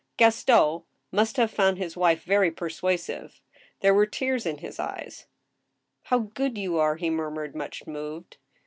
Gaston must have found his wife very persuasive. There were tears in his eyes. " How good you are !" he murmured, much moved.